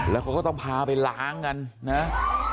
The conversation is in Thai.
แล้วเขาก็ต้องพาไปล้างกันนะ